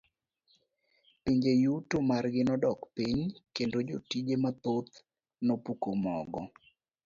Pinje yuto margi nodok piny kendo jotije mathoth nopuko mogo.